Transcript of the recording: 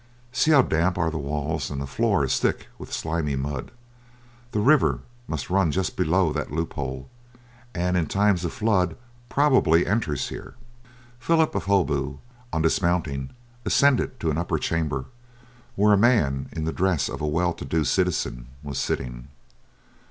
See how damp are the walls, and the floor is thick with slimy mud. The river must run but just below that loophole, and in times of flood probably enters here." Phillip of Holbeaut, on dismounting, ascended to an upper chamber, where a man in the dress of a well to do citizen was sitting.